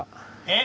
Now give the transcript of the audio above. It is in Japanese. え？